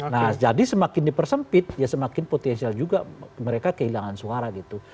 nah jadi semakin dipersempit ya semakin potensial juga mereka kehilangan suara gitu